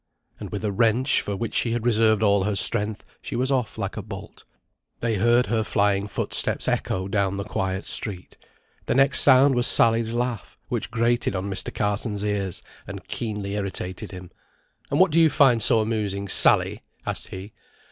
And with a wrench, for which she had reserved all her strength, she was off like a bolt. They heard her flying footsteps echo down the quiet street. The next sound was Sally's laugh, which grated on Mr. Carson's ears, and keenly irritated him. "And what do you find so amusing, Sally?" asked he.